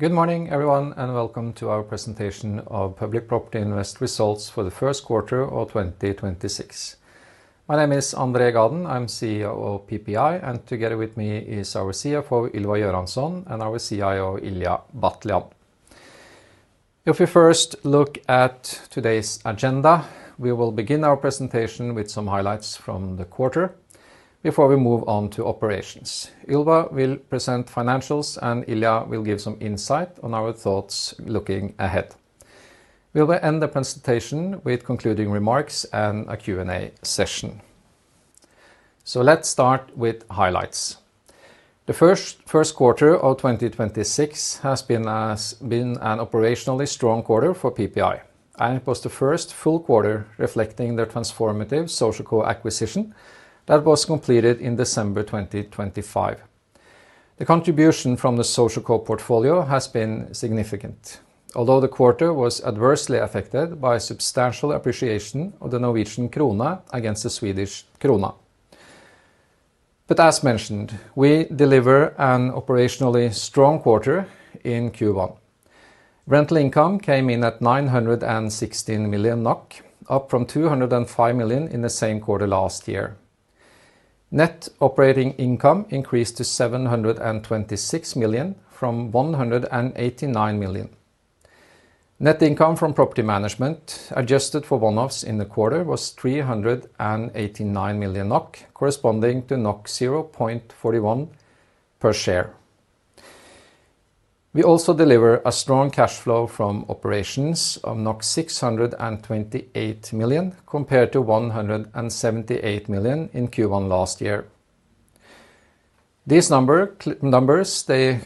Good morning, everyone, and welcome to our presentation of Public Property Invest results for the first quarter of 2026. My name is André Gaden. I'm CEO of PPI, and together with me is our CFO, Ylva Göransson, and our CIO, Ilija Batljan. If we first look at today's agenda, we will begin our presentation with some highlights from the quarter before we move on to operations. Ylva will present financials, and Ilija will give some insight on our thoughts looking ahead. We will end the presentation with concluding remarks and a Q&A session. Let's start with highlights. The first quarter of 2026 has been an operationally strong quarter for PPI, and it was the first full quarter reflecting the transformative SocialCo acquisition that was completed in December 2025. The contribution from the SocialCo portfolio has been significant. The quarter was adversely affected by substantial appreciation of the Norwegian krone against the Swedish krona. As mentioned, we deliver an operationally strong quarter in Q1. Rental Income came in at 916 million NOK, up from 205 million in the same quarter last year. Net Operating Income increased to 726 million from 189 million. Net income from property management, adjusted for one-offs in the quarter, was 389 million NOK, corresponding to 0.41 per share. We also deliver a strong cash flow from operations of 628 million compared to 178 million in Q1 last year. These numbers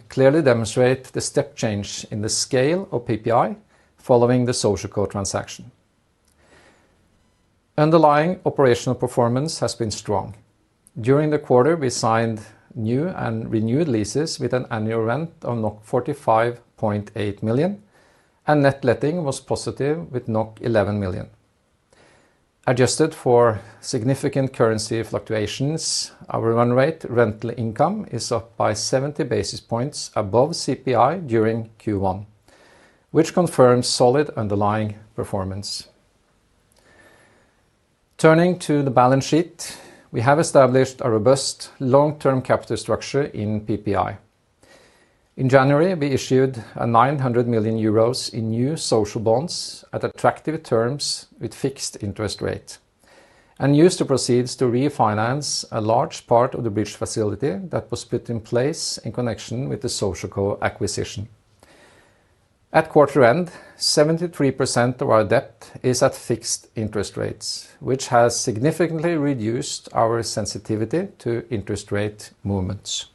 clearly demonstrate the step change in the scale of PPI following the SocialCo transaction. Underlying operational performance has been strong. During the quarter, we signed new and renewed leases with an annual rent of 45.8 million, and Net Letting was positive with 11 million. Adjusted for significant currency fluctuations, our run rate Rental Income is up by 70 basis points above CPI during Q1, which confirms solid underlying performance. Turning to the balance sheet, we have established a robust long-term capital structure in PPI. In January, we issued 900 million euros in new social bonds at attractive terms with fixed interest rate and used the proceeds to refinance a large part of the bridge facility that was put in place in connection with the SocialCo acquisition. At quarter end, 73% of our debt is at fixed interest rates, which has significantly reduced our sensitivity to interest rate movements.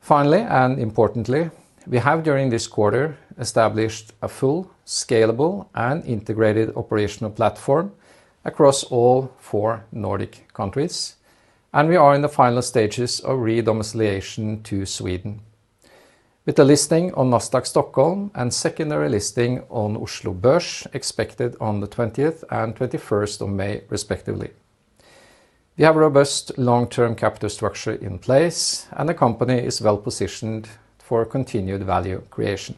Finally, importantly, we have during this quarter established a full scalable and integrated operational platform across all 4 Nordic countries, and we are in the final stages of re-domiciliation to Sweden. With the listing on Nasdaq Stockholm and secondary listing on Oslo Børs expected on the 20th and 21st of May, respectively. We have a robust long-term capital structure in place, the company is well positioned for continued value creation.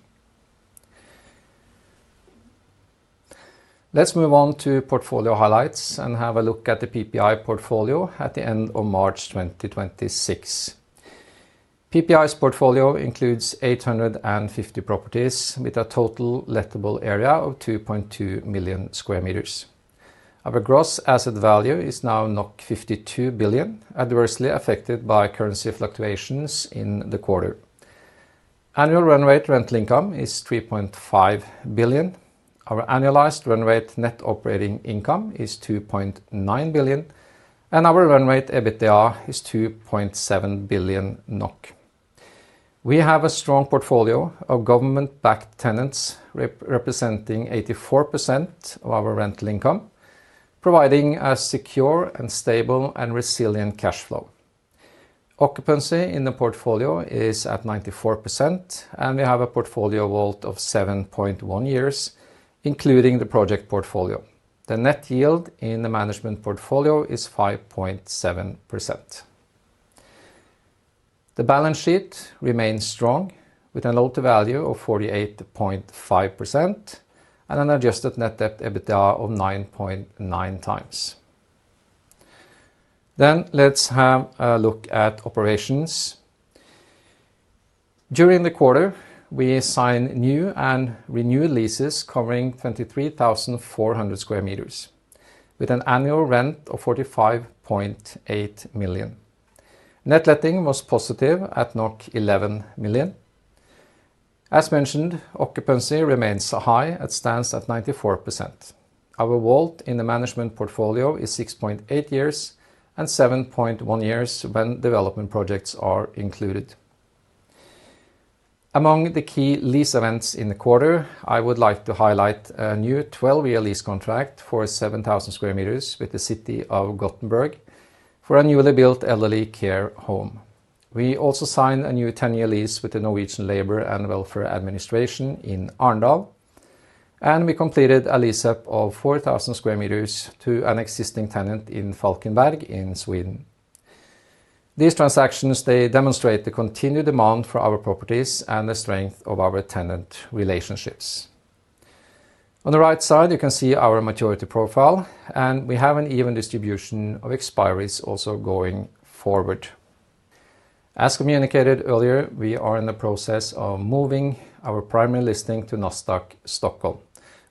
Let's move on to portfolio highlights and have a look at the PPI portfolio at the end of March 2026. PPI's portfolio includes 850 properties with a total lettable area of 2.2 million sq m. Our gross asset value is now 52 billion, adversely affected by currency fluctuations in the quarter. Annual run rate rental income is 3.5 billion. Our annualized run rate Net Operating Income is 2.9 billion, and our run rate EBITDA is 2.7 billion NOK. We have a strong portfolio of government-backed tenants representing 84% of our Rental Income, providing a secure and stable and resilient cash flow. Occupancy in the portfolio is at 94%, and we have a portfolio WAULT of 7.1 years, including the project portfolio. The net yield in the management portfolio is 5.7%. The balance sheet remains strong with an LTV of 48.5% and an adjusted Net Debt to EBITDA of 9.9x. Let's have a look at operations. During the quarter, we signed new and renewed leases covering 23,400 sq m with an annual rent of 45.8 million. Net Letting was positive at 11 million. As mentioned, occupancy remains high and stands at 94%. Our WAULT in the management portfolio is 6.8 years and 7.1 years when development projects are included. Among the key lease events in the quarter, I would like to highlight a new 12-year lease contract for 7,000 sq m with the City of Gothenburg for a newly built elderly care home. We also signed a new 10-year lease with the Norwegian Labour and Welfare Administration in Arendal. We completed a lease-up of 4,000 sq m to an existing tenant in Falkenberg in Sweden. These transactions, they demonstrate the continued demand for our properties and the strength of our tenant relationships. On the right side, you can see our maturity profile, and we have an even distribution of expiries also going forward. As communicated earlier, we are in the process of moving our primary listing to Nasdaq Stockholm,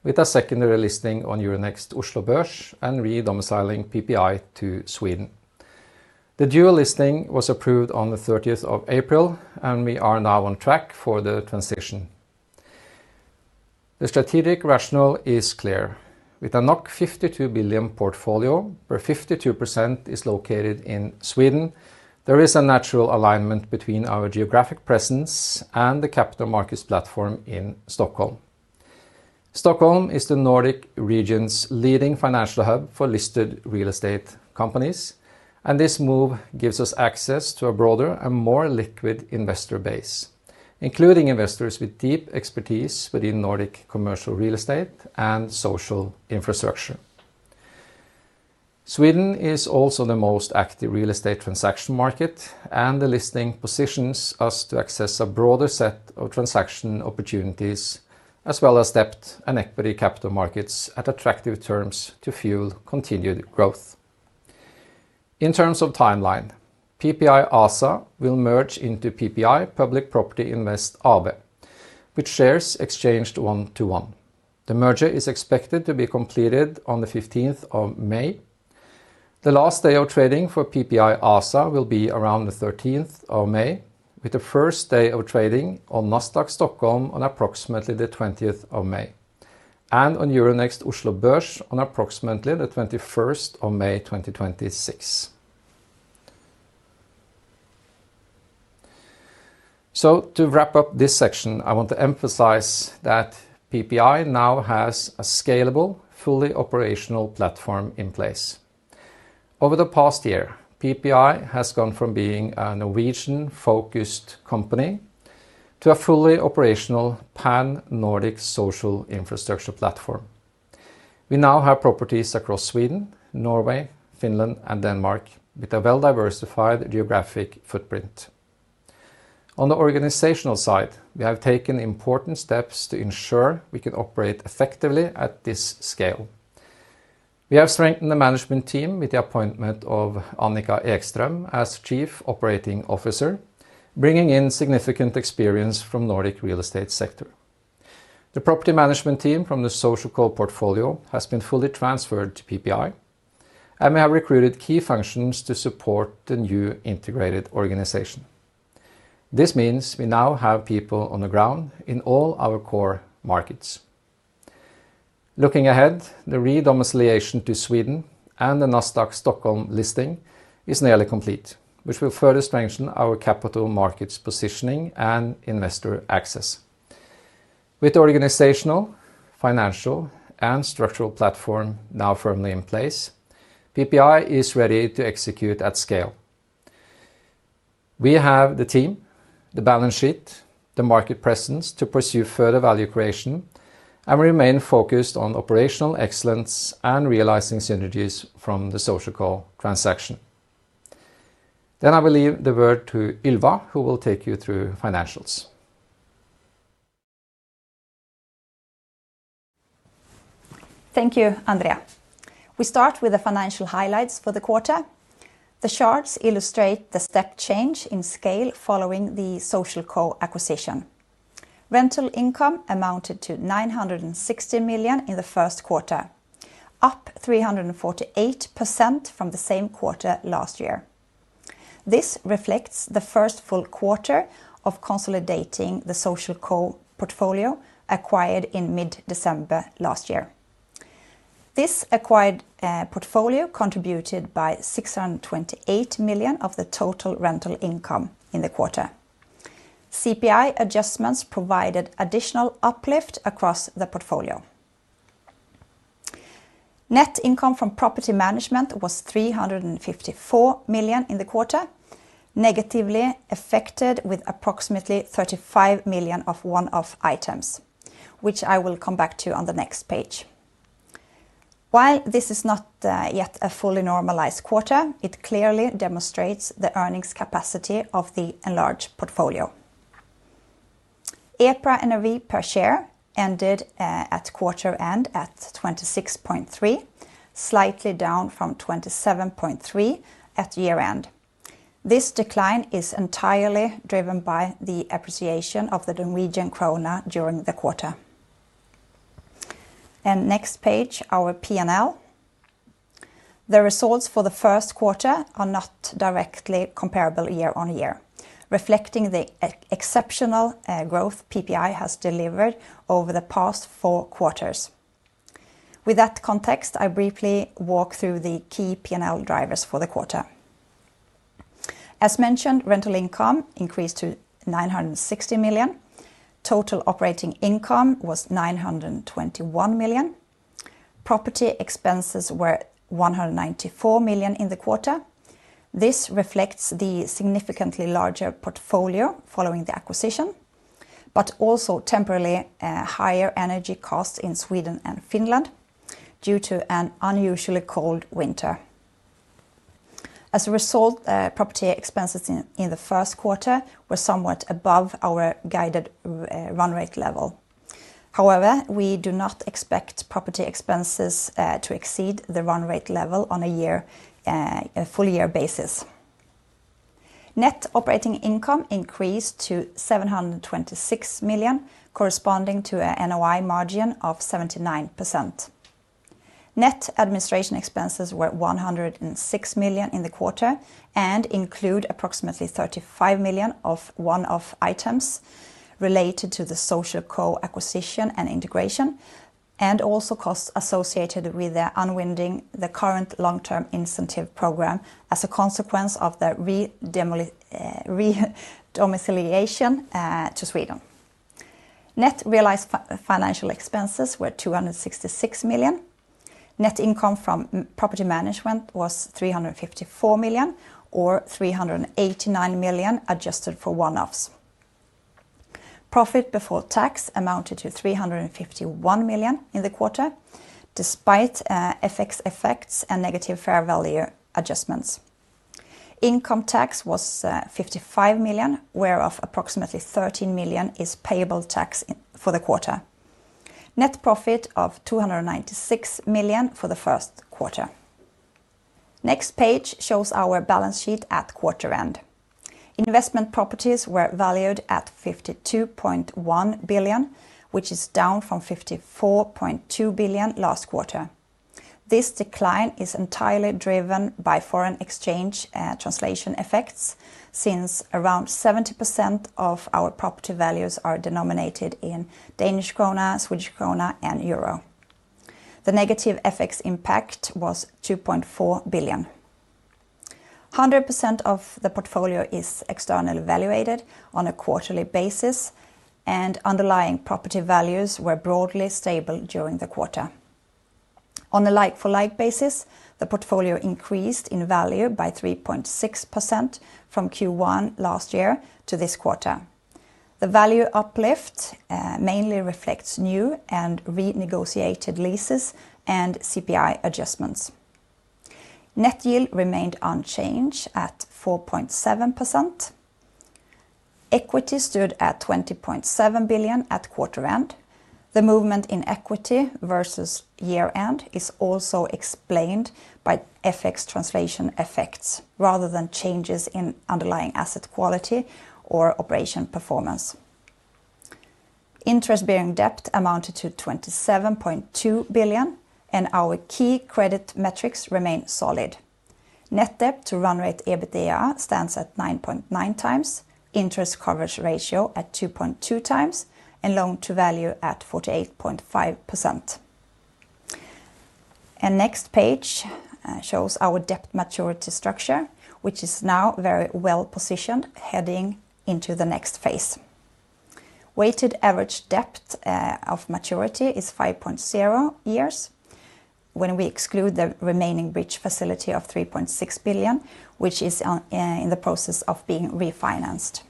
with a secondary listing on Euronext Oslo Børs and re-domiciling PPI to Sweden. The dual listing was approved on the 30th of April, and we are now on track for the transition. The strategic rationale is clear. With a 52 billion portfolio where 52% is located in Sweden, there is a natural alignment between our geographic presence and the capital markets platform in Stockholm. Stockholm is the Nordic region's leading financial hub for listed real estate companies, and this move gives us access to a broader and more liquid investor base, including investors with deep expertise within Nordic commercial real estate and social infrastructure. Sweden is also the most active real estate transaction market, and the listing positions us to access a broader set of transaction opportunities as well as debt and equity capital markets at attractive terms to fuel continued growth. In terms of timeline, PPI ASA will merge into PPI, Public Property Invest AB, with shares exchanged one to one. The merger is expected to be completed on the 15th of May. The last day of trading for PPI ASA will be around the 13th of May, with the first day of trading on Nasdaq Stockholm on approximately the 20th of May, and on Euronext Oslo Børs on approximately the 21st of May 2026. To wrap up this section, I want to emphasize that PPI now has a scalable, fully operational platform in place. Over the past year, PPI has gone from being a Norwegian-focused company to a fully operational pan-Nordic social infrastructure platform. We now have properties across Sweden, Norway, Finland, and Denmark with a well-diversified geographic footprint. On the organizational side, we have taken important steps to ensure we can operate effectively at this scale. We have strengthened the management team with the appointment of Annika Ekström as Chief Operating Officer, bringing in significant experience from Nordic real estate sector. The property management team from the SocialCo portfolio has been fully transferred to PPI, and we have recruited key functions to support the new integrated organization. This means we now have people on the ground in all our core markets. Looking ahead, the re-domiciliation to Sweden and the Nasdaq Stockholm listing is nearly complete, which will further strengthen our capital markets positioning and investor access. With organizational, financial, and structural platform now firmly in place, PPI is ready to execute at scale. We have the team, the balance sheet, the market presence to pursue further value creation, and remain focused on operational excellence and realizing synergies from the SocialCo transaction. I will leave the word to Ylva, who will take you through financials. Thank you, André. We start with the financial highlights for the quarter. The charts illustrate the step change in scale following the SocialCo acquisition. Rental income amounted to 960 million in the first quarter, up 348% from the same quarter last year. This reflects the first full quarter of consolidating the SocialCo portfolio acquired in mid-December last year. This acquired portfolio contributed by 628 million of the total rental income in the quarter. CPI adjustments provided additional uplift across the portfolio. Net income from property management was 354 million in the quarter, negatively affected with approximately 35 million of one-off items, which I will come back to on the next page. While this is not yet a fully normalized quarter, it clearly demonstrates the earnings capacity of the enlarged portfolio. EPRA NAV per share ended at quarter end at 26.3, slightly down from 27.3 at year-end. This decline is entirely driven by the appreciation of the Norwegian krone during the quarter. Next page, our P&L. The results for the first quarter are not directly comparable year on year, reflecting the exceptional growth PPI has delivered over the past four quarters. With that context, I briefly walk through the key P&L drivers for the quarter. As mentioned, rental income increased to 960 million. Total operating income was 921 million. Property expenses were 194 million in the quarter. This reflects the significantly larger portfolio following the acquisition, but also temporarily higher energy costs in Sweden and Finland due to an unusually cold winter. As a result, property expenses in the first quarter were somewhat above our guided run rate level. However, we do not expect property expenses to exceed the run rate level on a year, a full year basis. Net Operating Income increased to 726 million, corresponding to a NOI margin of 79%. Net administration expenses were 106 million in the quarter and include approximately 35 million of one-off items related to the SocialCo acquisition and integration, and also costs associated with the unwinding the current long-term incentive program as a consequence of the re-domiciliation to Sweden. Net realized financial expenses were 266 million. Net income from property management was 354 million, or 389 million adjusted for one-offs. Profit before tax amounted to 351 million in the quarter, despite FX effects and negative fair value adjustments. Income tax was 55 million, whereof approximately 13 million is payable tax in, for the quarter. Net profit of 296 million for the first quarter. Next page shows our balance sheet at quarter end. Investment properties were valued at 52.1 billion, which is down from 54.2 billion last quarter. This decline is entirely driven by foreign exchange translation effects, since around 70% of our property values are denominated in Danish krone, Swedish krona, and euro. The negative FX impact was 2.4 billion. 100% of the portfolio is externally evaluated on a quarterly basis, and underlying property values were broadly stable during the quarter. On a like-for-like basis, the portfolio increased in value by 3.6% from Q1 last year to this quarter. The value uplift mainly reflects new and renegotiated leases and CPI adjustments. Net yield remained unchanged at 4.7%. Equity stood at 20.7 billion at quarter end. The movement in equity versus year end is also explained by FX translation effects rather than changes in underlying asset quality or operation performance. Interest-bearing debt amounted to 27.2 billion. Our key credit metrics remain solid. Net Debt to EBITDA stands at 9.9x, Interest Coverage Ratio at 2.2x, Loan-to-Value at 48.5%. Next page shows our debt maturity structure, which is now very well positioned heading into the next phase. Weighted average debt of maturity is 5.0 years when we exclude the remaining bridge facility of 3.6 billion, which is in the process of being refinanced.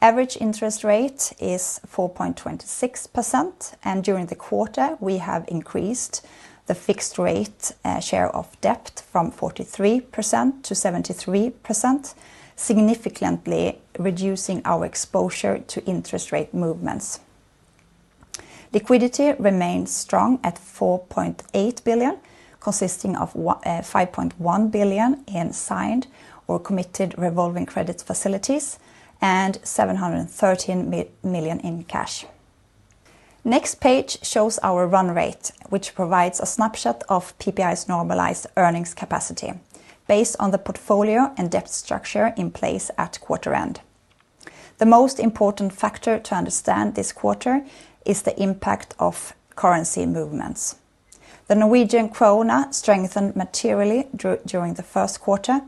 Average interest rate is 4.26%. During the quarter, we have increased the fixed rate share of debt from 43% to 73%, significantly reducing our exposure to interest rate movements. Liquidity remains strong at 4.8 billion, consisting of 5.1 billion in signed or committed revolving credit facilities and 713 million in cash. Next page shows our run rate, which provides a snapshot of PPI's normalized earnings capacity based on the portfolio and debt structure in place at quarter end. The most important factor to understand this quarter is the impact of currency movements. The Norwegian krone strengthened materially during the first quarter,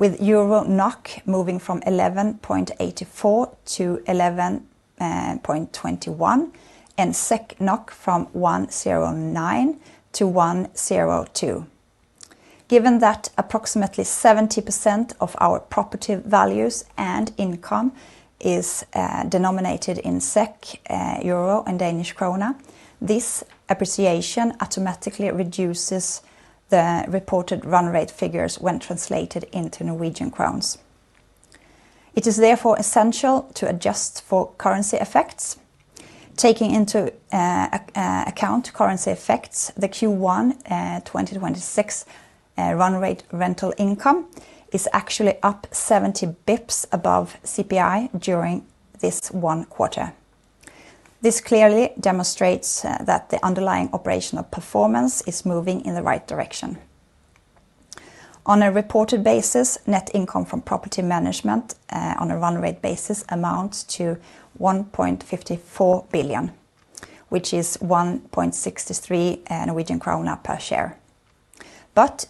with Euro-NOK moving from 11.84 to 11.21, and SEK-NOK from 109 to 102. Given that approximately 70% of our property values and income is denominated in SEK, euro, and Danish krone, this appreciation automatically reduces the reported run rate figures when translated into Norwegian krones. It is therefore essential to adjust for currency effects. Taking into account currency effects, the Q1 2026 run rate rental income is actually up 70 basis points above CPI during this one quarter. This clearly demonstrates that the underlying operational performance is moving in the right direction. On a reported basis, net income from property management, on a run rate basis, amounts to 1.54 billion, which is 1.63 Norwegian krone per share.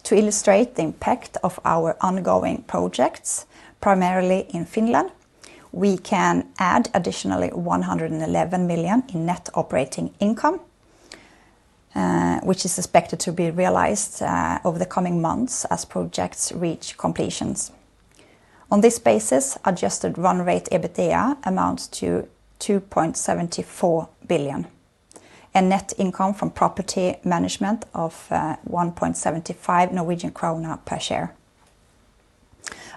To illustrate the impact of our ongoing projects, primarily in Finland, we can add additionally 111 million in Net Operating Income, which is expected to be realized over the coming months as projects reach completions. On this basis, adjusted run rate EBITDA amounts to 2.74 billion. Net income from property management of 1.75 Norwegian krone per share.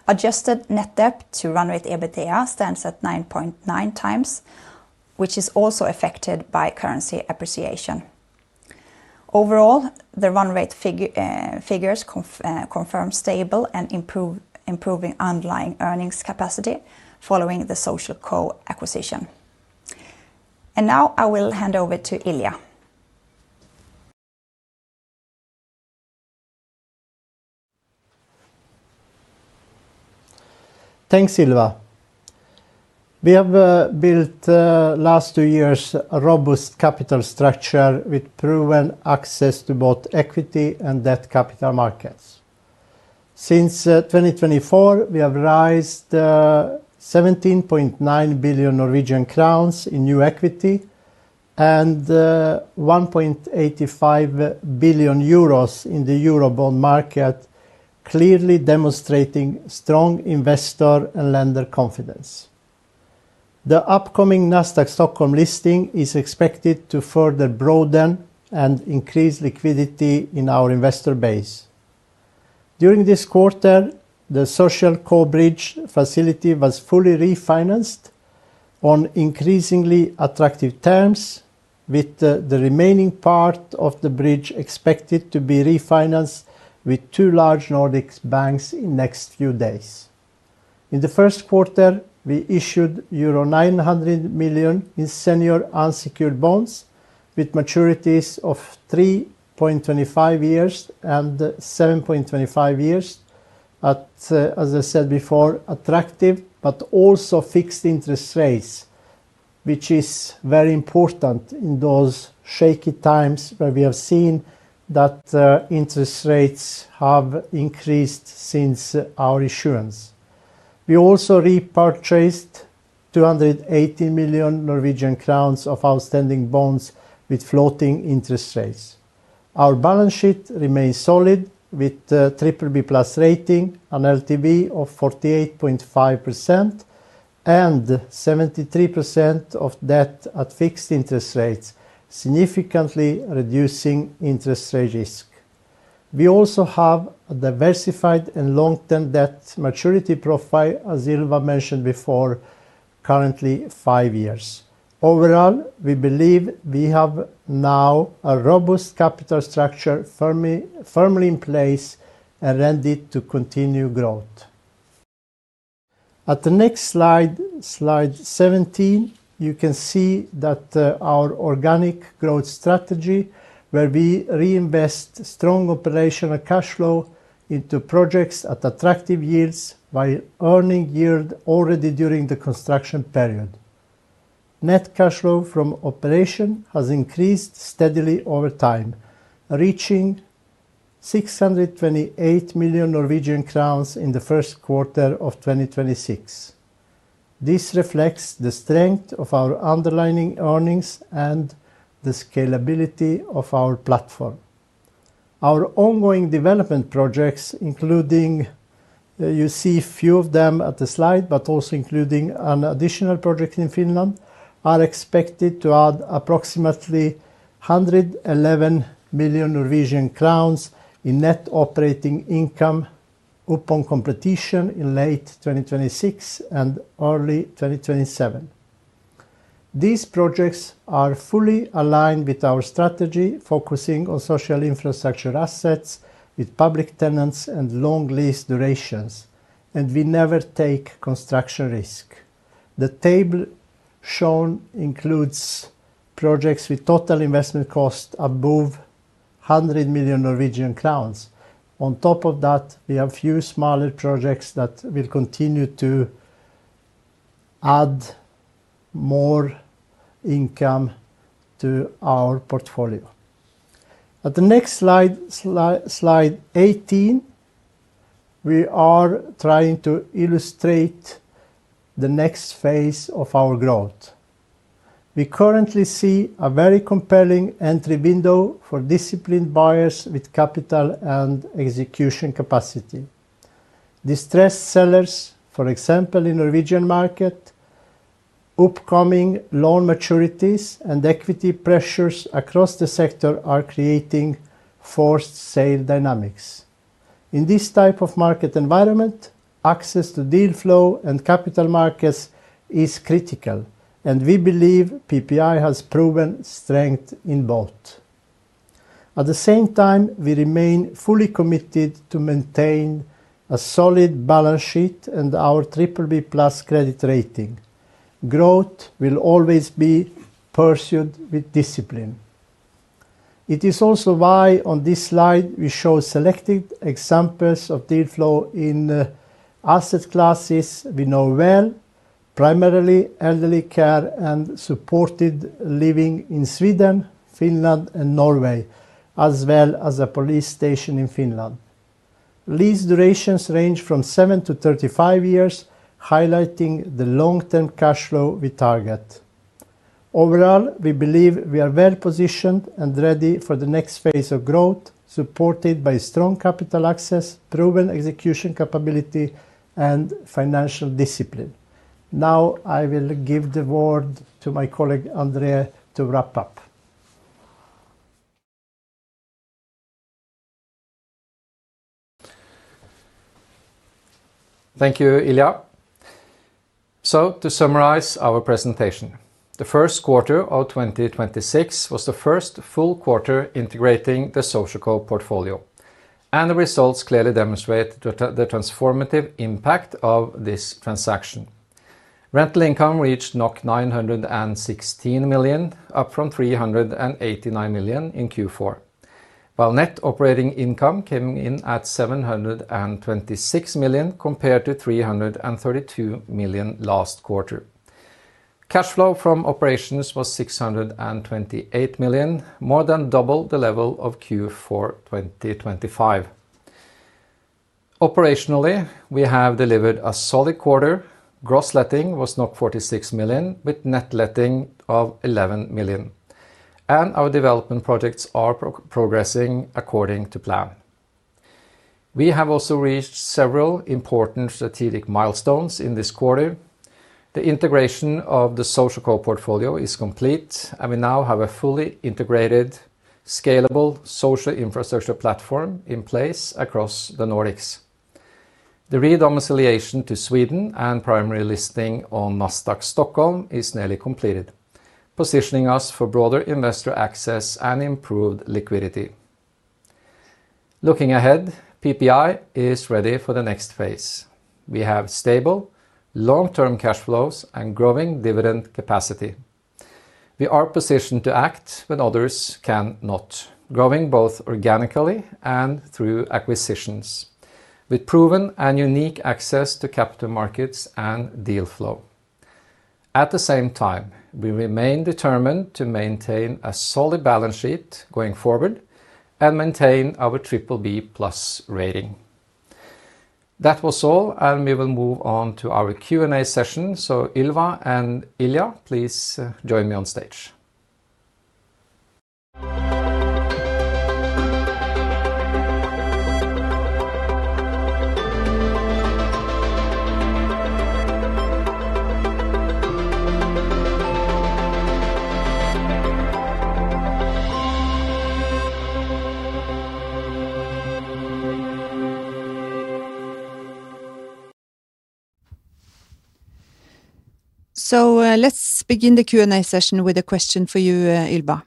Adjusted Net Debt to run rate EBITDA stands at 9.9x, which is also affected by currency appreciation. Overall, the run rate figures confirm stable and improving underlying earnings capacity following the SocialCo acquisition. Now I will hand over to Ilija. Thanks, Ylva. We have built last two years a robust capital structure with proven access to both equity and debt capital markets. 2024, we have raised 17.9 billion Norwegian crowns in new equity and 1.85 billion euros in the Eurobond market, clearly demonstrating strong investor and lender confidence. The upcoming Nasdaq Stockholm listing is expected to further broaden and increase liquidity in our investor base. This quarter, the SocialCo Bridge facility was fully refinanced on increasingly attractive terms, with the remaining part of the bridge expected to be refinanced with two large Nordic banks in next few days. The first quarter, we issued euro 900 million in senior unsecured bonds with maturities of 3.25 years and 7.25 years. At, as I said before, attractive but also fixed interest rates, which is very important in those shaky times where we have seen that, interest rates have increased since our issuance. We also repurchased 280 million Norwegian crowns of outstanding bonds with floating interest rates. Our balance sheet remains solid with a BBB+ rating, an LTV of 48.5%, and 73% of debt at fixed interest rates, significantly reducing interest rate risk. We also have a diversified and long-term debt maturity profile, as Ylva mentioned before, currently five years. Overall, we believe we have now a robust capital structure firmly in place and ready to continue growth. At the next slide 17, you can see that our organic growth strategy, where we reinvest strong operational cash flow into projects at attractive yields by earning yield already during the construction period. Net cash flow from operation has increased steadily over time, reaching 628 million Norwegian crowns in the first quarter of 2026. This reflects the strength of our underlying earnings and the scalability of our platform. Our ongoing development projects, including you see few of them at the slide, but also including an additional project in Finland, are expected to add approximately 111 million Norwegian crowns in Net Operating Income upon completion in late 2026 and early 2027. These projects are fully aligned with our strategy, focusing on social infrastructure assets with public tenants and long lease durations. We never take construction risk. The table shown includes projects with total investment cost above 100 million Norwegian crowns. On top of that, we have few smaller projects that will continue to add more income to our portfolio. At the next slide 18, we are trying to illustrate the next phase of our growth. We currently see a very compelling entry window for disciplined buyers with capital and execution capacity. Distressed sellers, for example, in Norwegian market, upcoming loan maturities and equity pressures across the sector are creating forced sale dynamics. In this type of market environment, access to deal flow and capital markets is critical, and we believe PPI has proven strength in both. At the same time, we remain fully committed to maintain a solid balance sheet and our BBB+ credit rating. Growth will always be pursued with discipline. It is also why, on this slide, we show selected examples of deal flow in asset classes we know well. Primarily elderly care and supported living in Sweden, Finland, and Norway, as well as a police station in Finland. Lease durations range from 7 to 35 years, highlighting the long-term cash flow we target. Overall, we believe we are well positioned and ready for the next phase of growth, supported by strong capital access, proven execution capability, and financial discipline. Now I will give the word to my colleague, André, to wrap up. Thank you, Ilija. To summarize our presentation, the first quarter of 2026 was the first full quarter integrating the SocialCo portfolio, and the results clearly demonstrate the transformative impact of this transaction. Rental Income reached 916 million, up from 389 million in Q4, while Net Operating Income came in at 726 million compared to 332 million last quarter. Cash flow from operations was 628 million, more than double the level of Q4 2025. Operationally, we have delivered a solid quarter. Gross letting was 46 million with Net Letting of 11 million, and our development projects are progressing according to plan. We have also reached several important strategic milestones in this quarter. The integration of the SocialCo portfolio is complete, and we now have a fully integrated, scalable social infrastructure platform in place across the Nordics. The re-domiciliation to Sweden and primary listing on Nasdaq Stockholm is nearly completed, positioning us for broader investor access and improved liquidity. Looking ahead, PPI is ready for the next phase. We have stable, long-term cash flows and growing dividend capacity. We are positioned to act when others can not, growing both organically and through acquisitions with proven and unique access to capital markets and deal flow. At the same time, we remain determined to maintain a solid balance sheet going forward and maintain our BBB+ rating. That was all. We will move on to our Q&A session, so Ylva and Ilija, please join me on stage. Let's begin the Q&A session with a question for you, Ylva.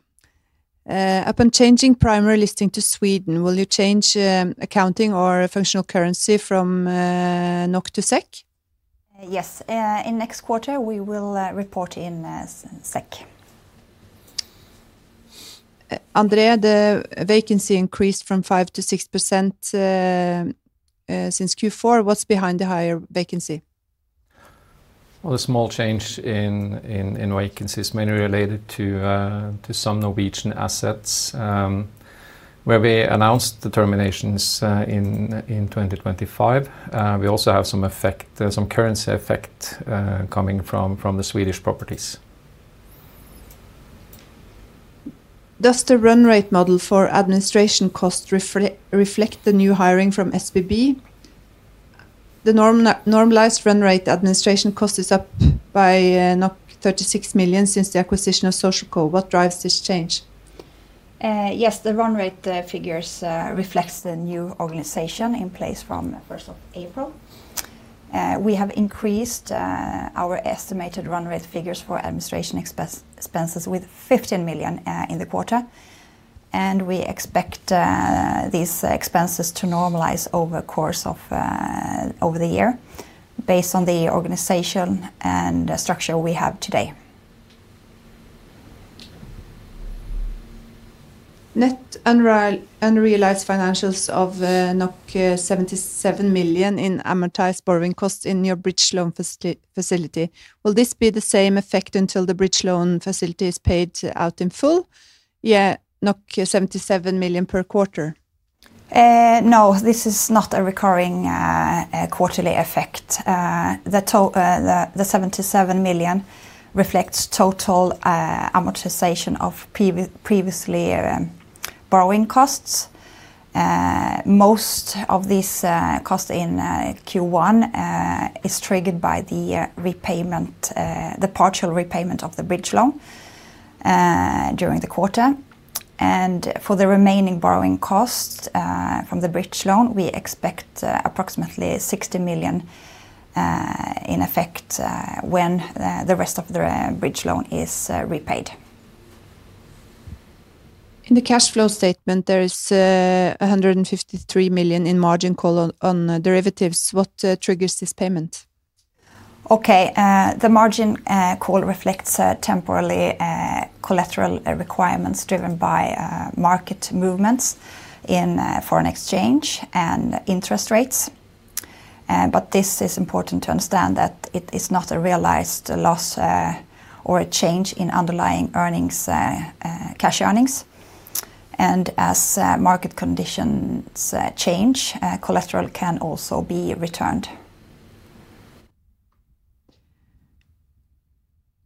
Upon changing primary listing to Sweden, will you change accounting or functional currency from NOK to SEK? Yes. In next quarter, we will report in SEK. André, the vacancy increased from 5% to 6% since Q4. What's behind the higher vacancy? Well, the small change in vacancies is mainly related to some Norwegian assets, where we announced the terminations in 2025. We also have some effect, some currency effect, coming from the Swedish properties. Does the run rate model for administration costs reflect the new hiring from SBB? The normalized run rate administration cost is up by 36 million since the acquisition of SocialCo. What drives this change? Yes, the run rate figures reflects the new organization in place from first of April. We have increased our estimated run rate figures for administration expenses with 15 million in the quarter, and we expect these expenses to normalize over the course of over the year based on the organization and the structure we have today. Net unrealized financials of 77 million in amortized borrowing costs in your bridge loan facility. Will this be the same effect until the bridge loan facility is paid out in full, yeah, 77 million per quarter? No, this is not a recurring quarterly effect. The 77 million reflects total amortization of previously borrowing costs. Most of this cost in Q1 is triggered by the repayment, the partial repayment of the bridge loan during the quarter. For the remaining borrowing costs from the bridge loan, we expect approximately 60 million in effect when the rest of the bridge loan is repaid. In the cash flow statement, there is 153 million in margin call on derivatives. What triggers this payment? Okay. The margin call reflects temporarily collateral requirements driven by market movements in foreign exchange and interest rates. But this is important to understand that it is not a realized loss or a change in underlying earnings cash earnings. As market conditions change, collateral can also be returned.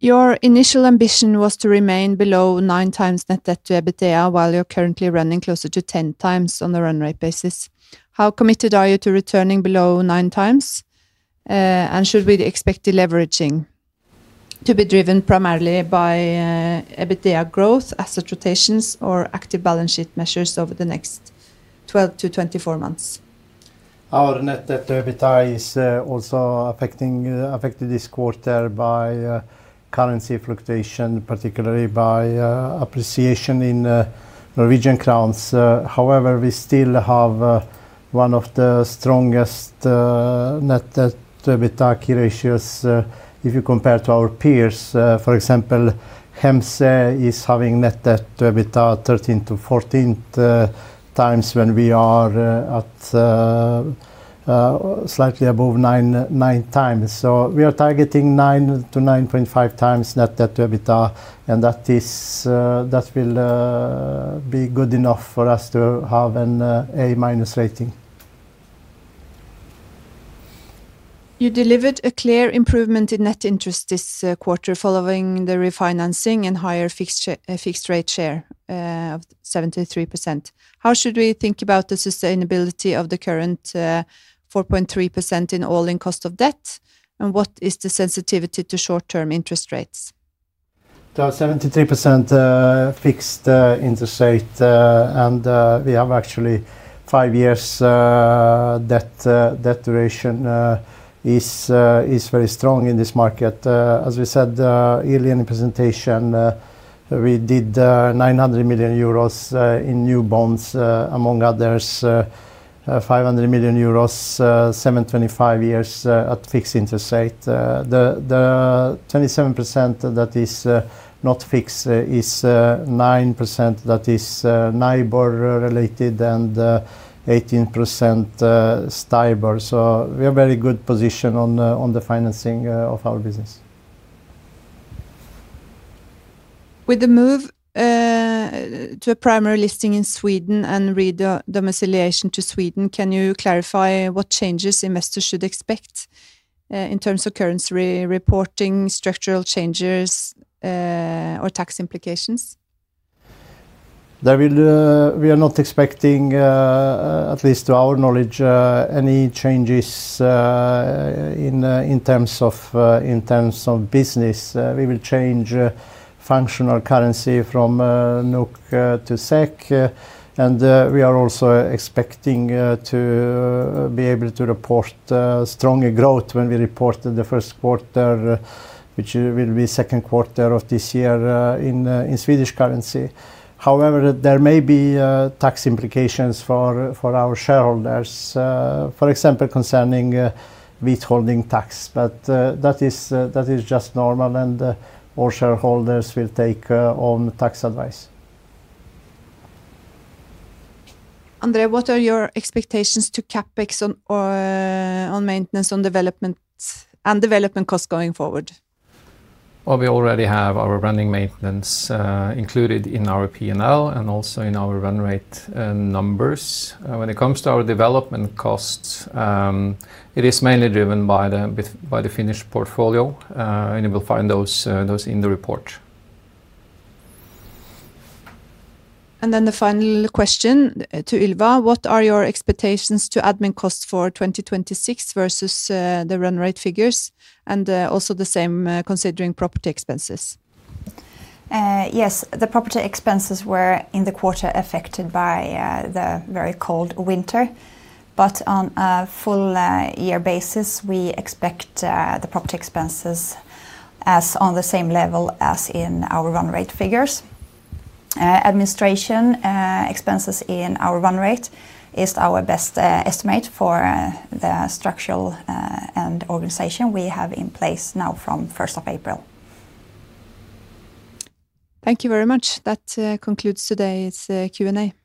Your initial ambition was to remain below 9x Net Debt to EBITDA, while you're currently running closer to 10x on the run rate basis. How committed are you to returning below 9x? Should we expect deleveraging to be driven primarily by EBITDA growth, asset rotations, or active balance sheet measures over the next 12 to 24 months? Our Net Debt to EBITDA is also affected this quarter by currency fluctuation, particularly by appreciation in Norwegian crowns. We still have one of the strongest Net Debt to EBITDA key ratios if you compare to our peers. Heimstaden is having Net Debt to EBITDA 13x-14x when we are at slightly above 9x. We are targeting 9x-9.5x Net Debt to EBITDA, and that will be good enough for us to have an A- rating. You delivered a clear improvement in net interest this quarter following the refinancing and higher fixed rate share of 73%. How should we think about the sustainability of the current 4.3% in all-in cost of debt? What is the sensitivity to short-term interest rates? The 73% fixed interest rate and we have actually five years debt duration is very strong in this market. As we said earlier in the presentation, we did 900 million euros in new bonds, among others, 500 million euros 7.25 years, at fixed interest rate. The 27% that is not fixed is 9% that is NIBOR related and 18% STIBOR. We are very good position on the financing of our business. With the move, to a primary listing in Sweden and re-domiciliation to Sweden, can you clarify what changes investors should expect, in terms of currency reporting, structural changes, or tax implications? There will, we are not expecting, at least to our knowledge, any changes in terms of business. We will change functional currency from NOK to SEK. We are also expecting to be able to report stronger growth when we report the first quarter, which will be second quarter of this year, in Swedish currency. However, there may be tax implications for our shareholders, for example, concerning withholding tax. That is just normal, all shareholders will take own tax advice. André, what are your expectations to CapEx on maintenance on development and development cost going forward? Well, we already have our running maintenance included in our P&L and also in our run rate numbers. When it comes to our development costs, it is mainly driven by the Finnish portfolio, and you will find those in the report. The final question to Ylva. What are your expectations to admin costs for 2026 versus the run rate figures? Also the same, considering property expenses. Yes. The property expenses were, in the quarter, affected by the very cold winter. On a full year basis, we expect the property expenses as on the same level as in our run rate figures. Administration expenses in our run rate is our best estimate for the structural and organization we have in place now from first of April. Thank you very much. That concludes today's Q&A. Thank you.